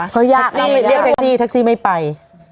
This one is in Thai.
ทักซี่ไม่ไป